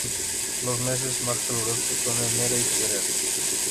Los meses más calurosos son enero y febrero.